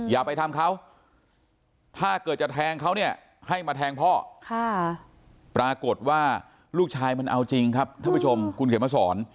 อย่าไปทำเขาถ้าเกิดจะแทงเขาเนี่ยให้มาแทงพ่อปรากฏว่าลูกชายมันเอาจริงครับท่านผู้ชมคุณเขียนมาสอน